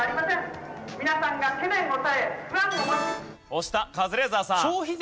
押したカズレーザーさん。